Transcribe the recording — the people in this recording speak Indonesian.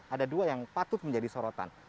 ada dua yang patut menjadi sorotan